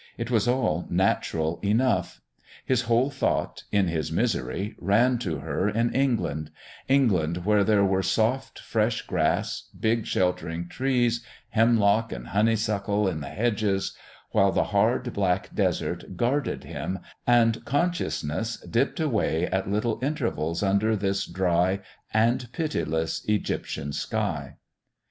It was all natural enough. His whole thought, in his misery, ran to her in England England where there were soft fresh grass, big sheltering trees, hemlock and honeysuckle in the hedges while the hard black Desert guarded him, and consciousness dipped away at little intervals under this dry and pitiless Egyptian sky....